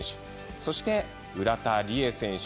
そして浦田理恵選手。